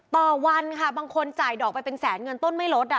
ต่อวันค่ะบางคนจ่ายดอกไปเป็นแสนเงินต้นไม่ลดอ่ะ